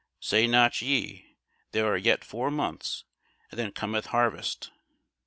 Say not ye, There are yet four months, and then cometh harvest?